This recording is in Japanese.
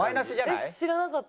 えっ知らなかった。